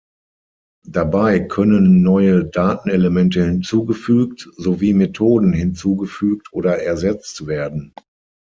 Dabei können neue Datenelemente hinzugefügt sowie Methoden hinzugefügt oder ersetzt werden.